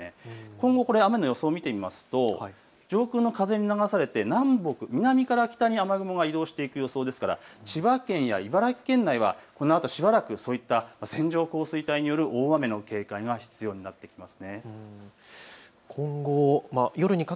今後の雨の予想を見てみますと上空の風に流されて南北、南から北に雨雲が移動していく予想ですから千葉県や茨城県内、しばらくそういった線状降水帯による大雨への警戒が必要になってきます。